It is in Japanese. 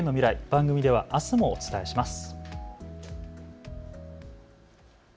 番組ではあすもお伝えします。